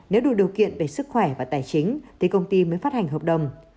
nếu đủ điều kiện về sức khỏe và tài chính thì công ty mới phát hành hợp đồng